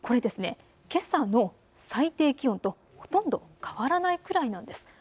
けさの最低気温とほとんど変わらないくらいなんです。